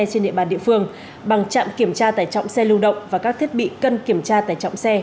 trên địa bàn địa phương bằng trạm kiểm tra tải trọng xe lưu động và các thiết bị cân kiểm tra tải trọng xe